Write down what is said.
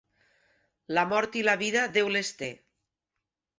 La mort i la vida, Déu les té.